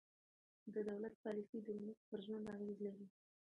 د دولت پالیسۍ د ولس پر ژوند اغېز لري